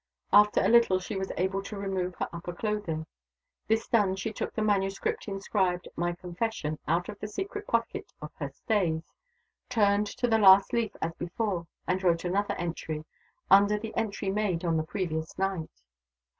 After a little she was able to remove her upper clothing. This done she took the manuscript inscribed, "My Confession," out of the secret pocket of her stays turned to the last leaf as before and wrote another entry, under the entry made on the previous night.